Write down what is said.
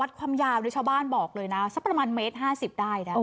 วัดความยาวในชาวบ้านบอกเลยนะสักประมาณเมตรห้าสิบได้นะอ๋อ